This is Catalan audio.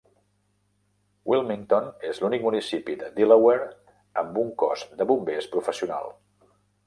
Wilmington és l'únic municipi de Delaware amb un cos de bombers professional.